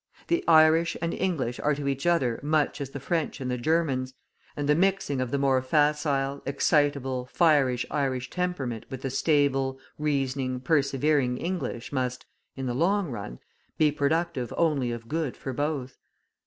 The Irish and English are to each other much as the French and the Germans; and the mixing of the more facile, excitable, fiery Irish temperament with the stable, reasoning, persevering English must, in the long run, be productive only of good for both.